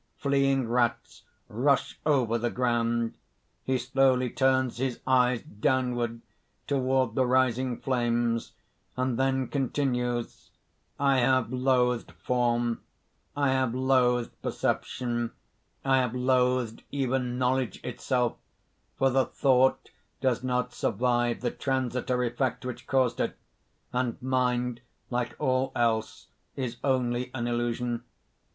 Fleeing rats rush over the ground._ He slowly turns his eyes downward toward the rising flames, and then continues: ) "I have loathed Form, I have loathed Perception, I have loathed even Knowledge itself, for the thought does not survive the transitory fact which caused it; and mind, like all else, is only an illusion.